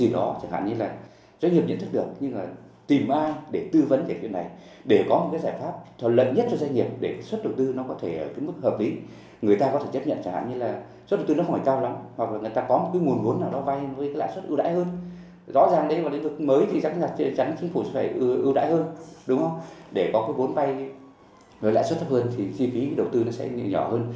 để có cái vốn vay lãi suất thấp hơn thì chi phí đầu tư sẽ nhỏ hơn